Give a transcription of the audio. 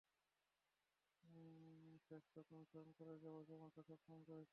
শেষতক অনুসরণ করে যাব, যেমনটা সবসময় করেছি।